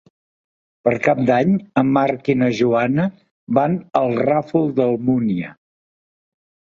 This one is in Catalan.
Per Cap d'Any en Marc i na Joana van al Ràfol d'Almúnia.